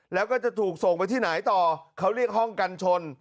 แล้วก็จะถูกส่งไปที่ไหนต่อเขาเรียกห้องกันชน